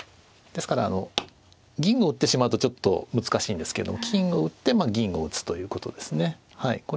ですから銀を打ってしまうとちょっと難しいんですけども金を打って銀を打つということですねはい。